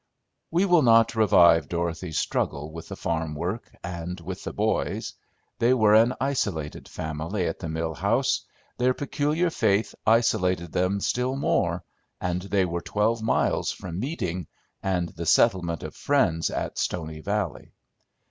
We will not revive Dorothy's struggles with the farm work, and with the boys. They were an isolated family at the mill house; their peculiar faith isolated them still more, and they were twelve miles from meeting and the settlement of Friends at Stony Valley.